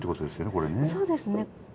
そうですね。